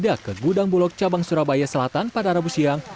bersama bpnt bpnt menemukan bulog cabang surabaya selatan pada rabu siang